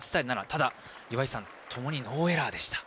ただ、岩井さんともにノーエラーでした。